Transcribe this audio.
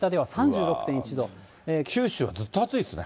九州はずっと暑いですね。